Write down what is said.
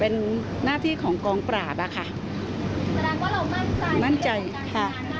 เป็นหน้าที่ของกองปราบนะค่ะ